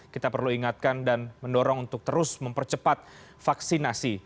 kita perlu ingatkan dan mendorong untuk terus mempercepat vaksinasi